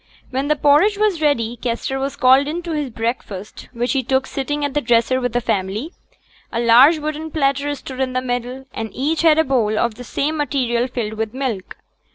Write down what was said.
When the porridge was ready, Kester was called in to his breakfast, which he took sitting at the dresser with the family. A large wooden platter stood in the middle; and each had a bowl of the same material filled with milk.